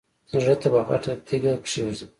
زړه ته به غټه تیګه کېږدم.